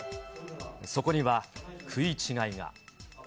そこには食い違いが。